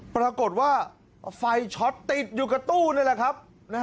ปรากฏว่าไฟช็อตติดอยู่กับตู้นี่แหละครับ